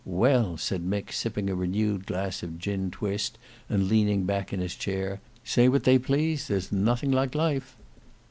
"Well," said Mick, sipping a renewed glass of gin twist and leaning back in his chair, "say what they please, there's nothing like life."